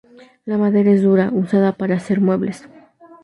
La madera es dura, usada para hacer muebles.